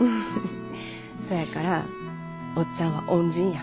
そやからおっちゃんは恩人や。